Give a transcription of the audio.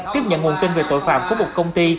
tiếp nhận nguồn tin về tội phạm của một công ty